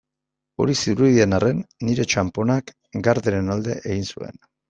Hori zirudien arren, nire txanponak Garderen alde egin zuen.